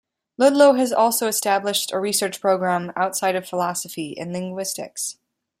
Ludlow has also established a research program outside of philosophy and linguistics.